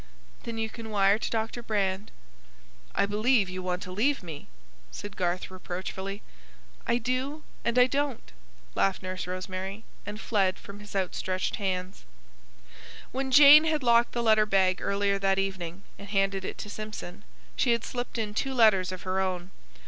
"Then you can wire to Dr. Brand." "I believe you want to leave me," said Garth reproachfully. "I do, and I don't!" laughed Nurse Rosemary; and fled from his outstretched hands. When Jane had locked the letter bag earlier that evening, and handed it to Simpson, she had slipped in two letters of her own.